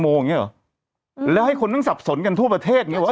โมงอย่างเงี้เหรอแล้วให้คนทั้งสับสนกันทั่วประเทศไงว่า